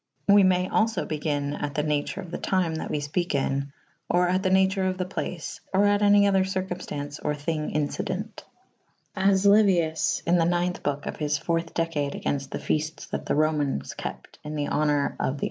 We may alfo begyn at the nature of the tyme that we fpeke in/ or at the nature of the place / or at any other circumftaunce or thynge incident. As Liuius in the .ix. boke of his fourthe decade agaynfte the feaftes that the Romaynes kept in the honour of the ■ B. adds begynnynge. = B.